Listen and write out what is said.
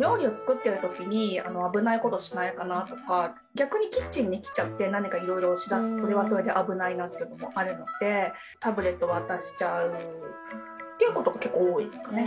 料理を作ってる時に危ないことしないかなとか逆にキッチンに来ちゃって何かいろいろしだすとそれはそれで危ないなっていうのもあるのでタブレット渡しちゃうっていうことが結構多いですかね。